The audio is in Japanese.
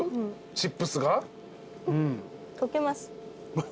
チップスが？とけます。